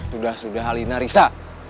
sudah sudah alina risa